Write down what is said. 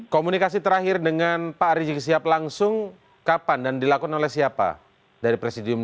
komunikasi terakhir dengan pak rizik siap langsung kapan dan dilakukan oleh siapa dari presidium dua ratus dua belas